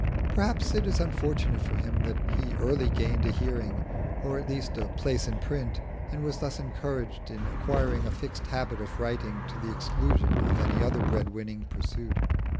Perhaps it is unfortunate for him that he early gained a hearing, or at least a place in print, and was thus encouraged in acquiring a fixed habit of writing, to the exclusion of any other bread winning pursuit.